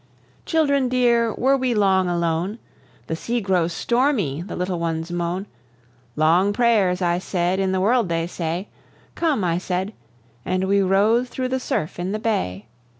Children dear, were we long alone? "The sea grows stormy, the little ones moan; Long prayers," I said, "in the world they say; Come!" I said; and we rose through the surf in the bay.